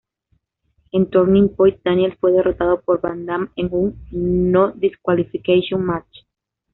En "Turning Point", Daniels fue derrotado por Van Dam en un "No Disqualification Match".